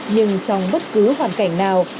nhưng trong bất cứ hoàn cảnh nào